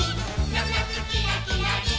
「なつなつキラキラリン！」